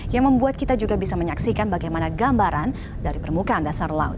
yang membuat kita juga bisa menyaksikan bagaimana gambaran dari permukaan dasar laut